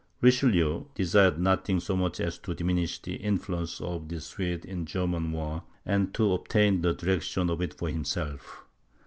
Richelieu desired nothing so much as to diminish the influence of the Swedes in the German war, and to obtain the direction of it for himself.